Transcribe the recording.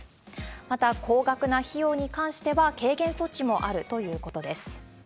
また、高額な費用に関しては、軽減措置もあるということです。